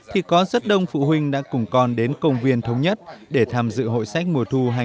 thì có rất đông phụ huynh đã cùng con đến công viên thống nhất để tham dự hội sách mùa thu hai nghìn hai mươi